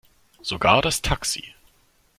Sogar das Taxi.